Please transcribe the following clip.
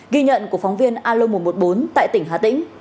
ghi nhận của phóng viên alo một trăm một mươi bốn tại tỉnh hà tĩnh